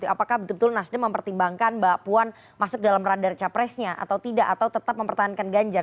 apakah betul betul nasdem mempertimbangkan mbak puan masuk dalam radar capresnya atau tidak atau tetap mempertahankan ganjar